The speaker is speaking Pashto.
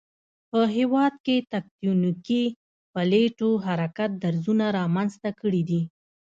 په هېواد کې تکتونیکی پلیټو حرکت درزونه رامنځته کړي دي